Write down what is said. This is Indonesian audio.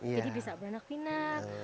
jadi bisa beranak binat